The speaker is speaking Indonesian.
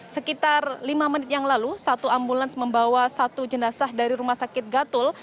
sekitar lima menit yang lalu satu ambulans membawa satu jenazah dari rumah sakit gatul